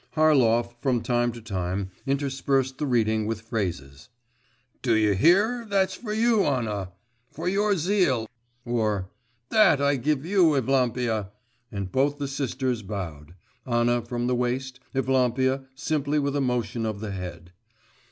Harlov from time to time interspersed the reading with phrases. 'Do you hear, that's for you, Anna, for your zeal!' or, 'That I give you, Evlampia!' and both the sisters bowed, Anna from the waist, Evlampia simply with a motion of the head.